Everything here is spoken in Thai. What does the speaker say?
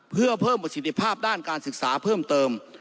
เพื่อเพิ่มประสิทธิภาพด้านการศึกษาเพิ่มเติม